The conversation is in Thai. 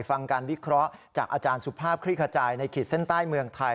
ฟังการวิเคราะห์จากอาจารย์สุภาพคลิกขจายในขีดเส้นใต้เมืองไทย